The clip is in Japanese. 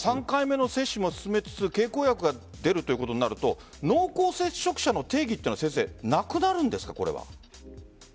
３回目の接種も進めつつ経口薬が出るということになると濃厚接触者の定義はなくなるんですか？